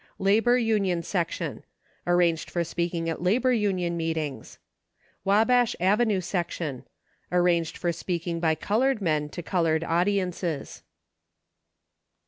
Labor Union Section. Arranged for speaking at labor union meet ings. Wabash Avenue Section. Arranged for speaking by colored men to colored audiences.